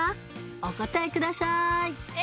お答えくださいえ！